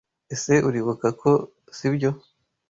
Ese Uribuka ko, sibyo?